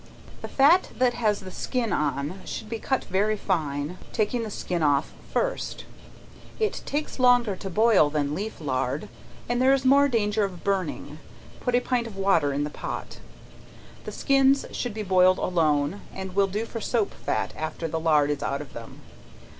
The fat that has the skin on should be cut very fine, taking the skin off first. It takes longer to boil than leaf lard, and there is more danger of burning, put a pint of water in the pot. The skins should be boiled alone, and will do for soap fat after the lard is out of them.